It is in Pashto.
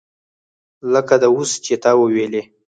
لکه دا اوس چې تا وویلې.